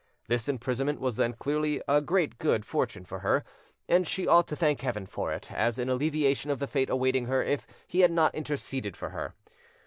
This imprisonment was then clearly a great good fortune for her, and she ought to thank Heaven for it, as an alleviation of the fate awaiting her if he had not interceded for her.